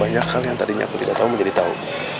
banyak hal yang tadinya aku tidak tahu menjadi tahu